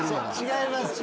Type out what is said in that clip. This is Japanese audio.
違います。